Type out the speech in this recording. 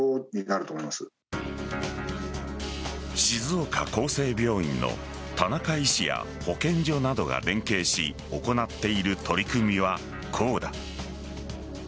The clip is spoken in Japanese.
静岡厚生病院の田中医師や保健所などが連携し行っている取り組みはこうだ。